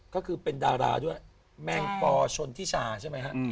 ก็คือเป็นดาราด้วยแมงปอชนทิชาใช่ไหมฮะ